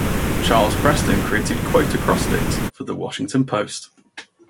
Charles Preston created Quote-Acrostics for the "Washington Post".